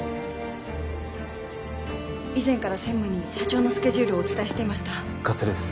以前から専務に社長のスケジュールをお伝えしていました加瀬です